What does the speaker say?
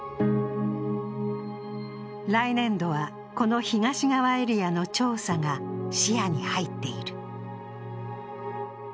来年度は、この東側エリアの調査が視野に入っている。